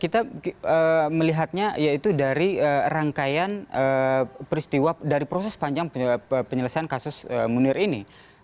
jadi melihatnya yaitu dari rangkaian peristiwa dari proses panjang penyelesaian kasus munir ini